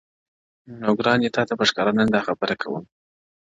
نو گراني تاته په ښكاره نن داخبره كوم _